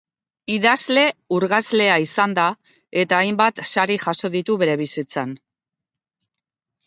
Idazle urgazlea izan da, eta hainbat sari jaso ditu bere bizitzan.